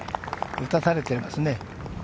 打たされていますね。